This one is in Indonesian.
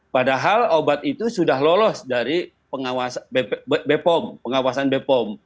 padahal obat itu sudah lolos dari bpom pengawasan bpom